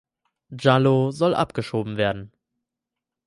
Jallow soll abgeschoben werden.